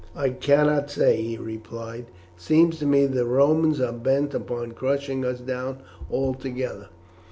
"I cannot say," he replied. "It seems to me that the Romans are bent upon crushing us down altogether.